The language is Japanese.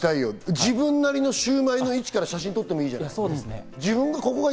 自分なりのシウマイの位置から写真を撮ってもいいじゃない。